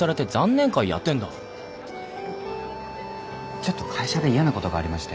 ちょっと会社で嫌な事がありまして。